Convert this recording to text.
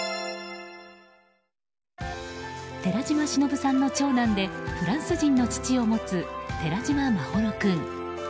寺島しのぶさんの長男でフランス人の父を持つ寺島眞秀君。